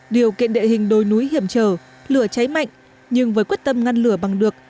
điều kiện địa hình đồi núi hiểm trở lửa cháy mạnh nhưng với quyết tâm ngăn lửa bằng được